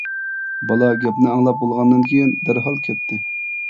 بالا گەپنى ئاڭلاپ بولغاندىن كېيىن دەرھال كەتتى.